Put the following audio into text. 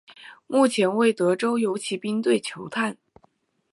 目前为德州游骑兵队球探。